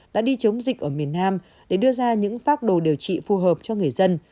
đã đi chống dịch ở miền nam để đưa ra những phác đồ điều trị phù hợp cho người dân